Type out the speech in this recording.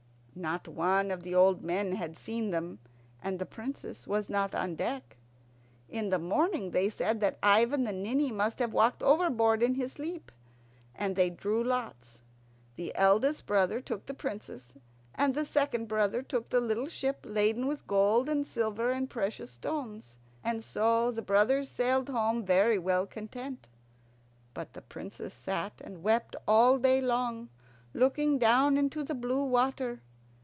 Not one of the old men had seen them, and the Princess was not on deck. In the morning they said that Ivan the Ninny must have walked overboard in his sleep. And they drew lots. The eldest brother took the Princess, and the second brother took the little ship laden with gold and silver and precious stones. And so the brothers sailed home very well content. But the Princess sat and wept all day long, looking down into the blue water.